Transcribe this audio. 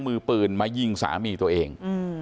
มือปืนมายิงสามีตัวเอง